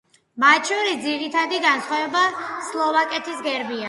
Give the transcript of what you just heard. მათ შორის ძირითადი განსხვავება სლოვაკეთის გერბია.